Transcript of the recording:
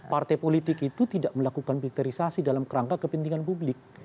partai politik itu tidak melakukan filterisasi dalam kerangka kepentingan publik